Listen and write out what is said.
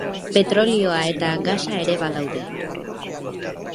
Petrolioa eta gasa ere badaude.